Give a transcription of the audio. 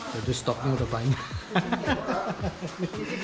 jadi stoknya sudah banyak